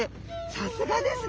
さすがですね。